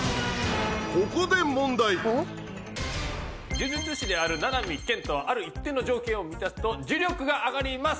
呪術師である七海建人はある一定の条件を満たすと呪力が上がります。